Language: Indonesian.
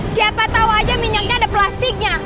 siapa tahu aja minyaknya ada plastiknya